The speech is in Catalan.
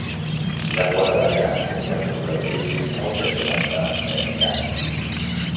Hi ha quatre grans complexos d'edificis al centre de Sengkang.